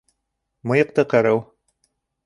Мыйыҡты ҡырыу